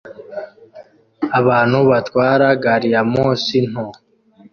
Abantu batwara gari ya moshi nto